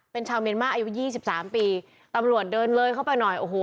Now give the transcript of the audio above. เป็นชาวเมียนมาอายุยี่สิบสามปีตำรวจเดินเลยเข้าไปหน่อยโอ้โห